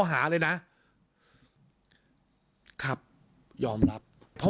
ขอโทษครับ